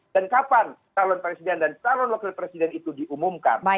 dan kapan calon presiden dan calon wakil presiden itu diumumkan